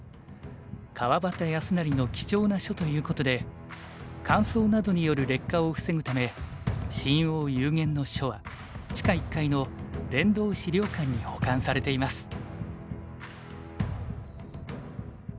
川端康成の貴重な書ということで乾燥などによる劣化を防ぐため「深奥幽玄」の書は地下１階の殿堂資料館に保管されています。